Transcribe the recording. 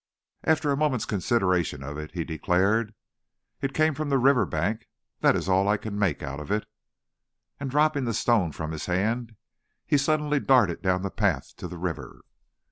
After a moment's consideration of it he declared: "It came from the river bank; that is all I can make out of it." And dropping the stone from his hand, he suddenly darted down the path to the river.